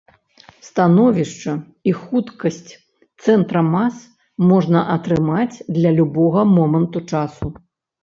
Становішча і хуткасць цэнтра мас можна атрымаць для любога моманту часу.